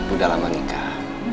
udah lama nikah